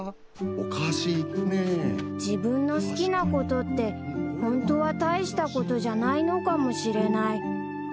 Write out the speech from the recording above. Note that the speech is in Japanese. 自分の好きなことってホントは大したことじゃないのかもしれない